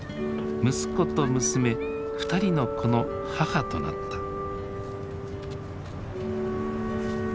息子と娘２人の子の母となった。